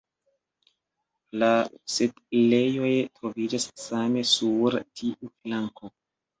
La setlejoj troviĝas same sur tiu flanko.